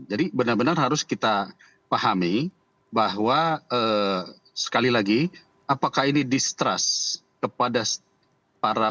jadi benar benar harus kita pahami bahwa sekali lagi apakah ini distrust kepada para pendidikan